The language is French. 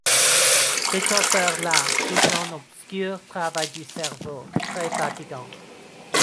Ces torpeurs-là couvrent un obscur travail du cerveau, très fatigant.